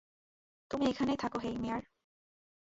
তুমি এখানেই থাক হেই, মেয়ার!